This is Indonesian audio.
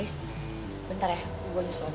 guys bentar ya gue nyusul ke sana dulu